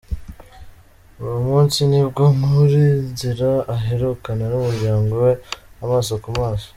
Uwo munsi nibwo Ngulinzira aherukana n’umuryango we amaso ku maso.